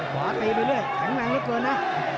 ขวาตีไปเรื่อยแข็งแรงเหลือเกินนะ